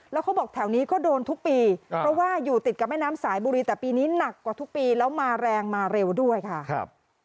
แล้วเขาบอกแถวนี้ก็โดนทุกปีเพราะว่าอยู่ติดกับแม่น้ำสายบุรีแต่ปีนี้หนักกว่าทุกปีแล้วมาแรงมาเร็วด้วยค่ะครับ